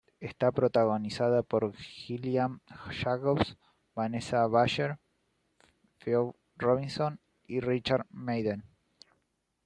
Está protagonizada por Gillian Jacobs, Vanessa Bayer, Phoebe Robinson y Richard Madden.